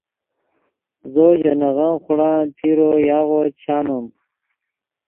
زو ژے نغن خوڑان پیرو یاغو چے شامم